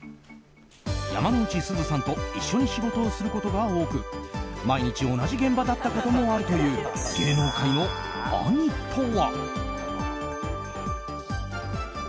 山之内すずさんと一緒に仕事をすることが多く毎日、同じ現場だったこともあるという芸能界の兄とは。